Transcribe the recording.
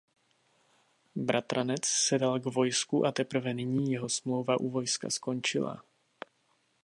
Bratranec se dal k vojsku a teprve nyní jeho smlouva u vojska skončila.